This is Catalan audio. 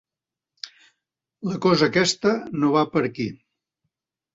La cosa aquesta no va per aquí.